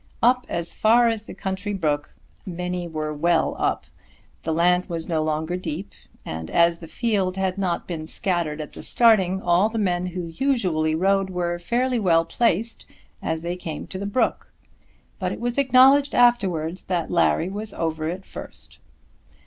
Up as far as the country brook, many were well up. The land was no longer deep; and as the field had not been scattered at the starting, all the men who usually rode were fairly well placed as they came to the brook; but it was acknowledged afterwards that Larry was over it the first.